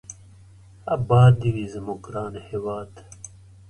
اباد دې وي زموږ ګران هېواد.